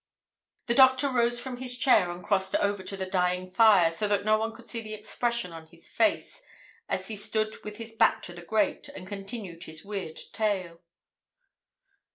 The doctor rose from his chair and crossed over to the dying fire, so that no one could see the expression on his face as he stood with his back to the grate, and continued his weird tale.